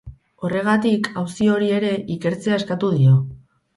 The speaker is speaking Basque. Horregatik, auzi hori ere ikertzea eskatu dio.